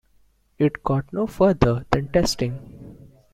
It got no further than testing.